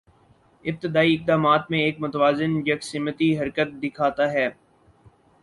ابتدائی اقدامات میں ایک متوازن یکسمتی حرکت دکھاتا ہے